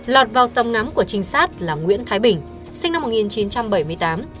lọt vào tầm ngắm của trinh sát là nguyễn thái bình sinh năm một nghìn chín trăm bảy mươi tám